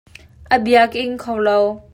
A bia ka ing kho lo.